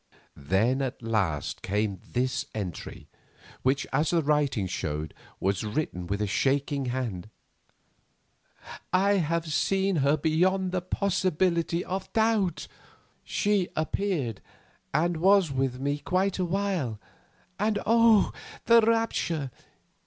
Then at last came this entry, which, as the writing showed, was written with a shaking hand. "I have seen her beyond the possibility of a doubt. She appeared, and was with me quite a while; and, oh! the rapture!